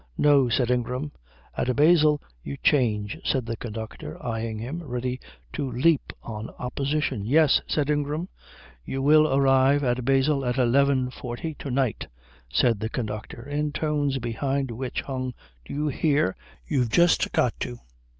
"No," said Ingram. "At Basel you change," said the conductor eyeing him, ready to leap on opposition. "Yes," said Ingram. "You will arrive at Basel at 11.40 to night," said the conductor, in tones behind which hung "Do you hear? You've just got to."